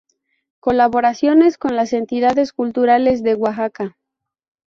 Colaboraciones con las entidades culturales de Oaxaca.